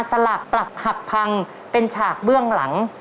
สลากปลักหักพังเป็นฉากเบื้องหลัง